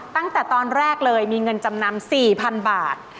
ตั้งแต่ตอนแรกเลยมีเงินจำนำ๔๐๐๐บาท